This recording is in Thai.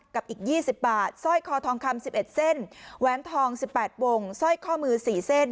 กับอีก๒๐บาทสร้อยคอทองคำ๑๑เส้นแหวนทอง๑๘วงสร้อยข้อมือ๔เส้น